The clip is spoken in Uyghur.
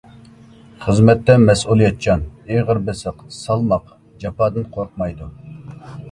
خىزمەتتە مەسئۇلىيەتچان، ئېغىر بېسىق، سالماق، جاپادىن قورقمايدۇ.